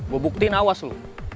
gue buktiin awas lu